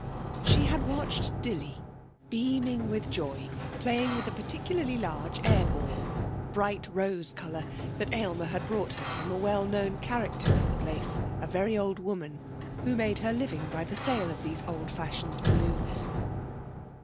She had watched Dilly, beaming with joy, playing with a particularly large air ball, bright rose colour, that Aylmer had bought her from a well known character of the place, a very old woman, who made her living by the sale of these old fashioned balloons.